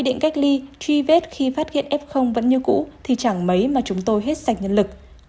định cách ly truy vết khi phát hiện f vẫn như cũ thì chẳng mấy mà chúng tôi hết sạch nhân lực